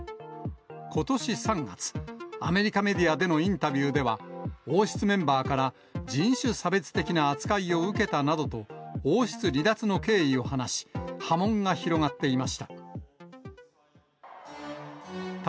ことし３月、アメリカメディアでのインタビューでは、王室メンバーから人種差別的な扱いを受けたなどと、王室離脱の経緯を話し、波紋が広がっていました。